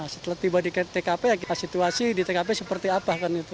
setelah tiba di tkp ya kita situasi di tkp seperti apa kan itu